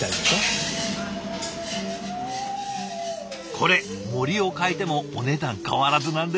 これ盛りを変えてもお値段変わらずなんですって。